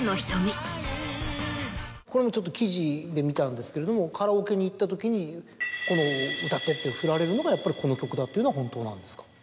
これもちょっと記事で見たんですけれどもカラオケに行ったときに「歌って」ってふられるのがやっぱりこの曲だっていうのは本当なんですか？